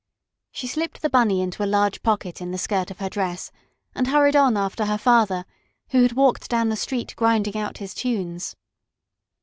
She slipped the Bunny into a large pocket in the skirt of her dress and hurried on after her father, who had walked down the street grinding out his tunes.